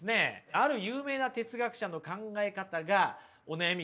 ある有名な哲学者の考え方がお悩み